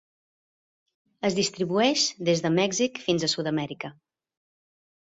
Es distribueix des de Mèxic fins a Sud-amèrica.